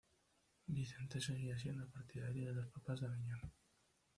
Vicente seguía siendo partidario de los papas de Avignon.